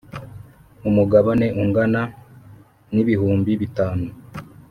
umugabane ungana n,ibihumbi bitanu